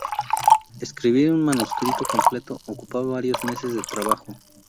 Escribir un manuscrito completo ocupaba varios meses de trabajo.